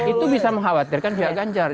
itu bisa mengkhawatirkan pihak ganjar